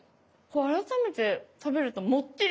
改めて食べるともっちり。